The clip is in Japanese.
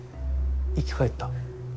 生き返った？